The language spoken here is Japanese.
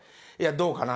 どうかな？